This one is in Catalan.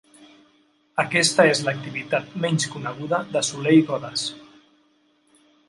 Aquesta és l’activitat menys coneguda de Soler i Godes.